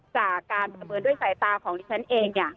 จากการประเมินด้วยสายตาของดิฉันเอง